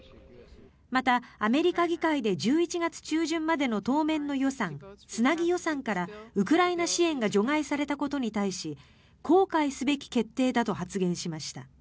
また、アメリカ議会で１１月中旬までの当面の予算つなぎ予算からウクライナ支援が除外されたことに対し後悔すべき決定だと発言しました。